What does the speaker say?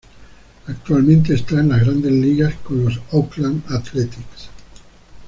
Actualmente está en las grandes ligas con los Oakland Athletics.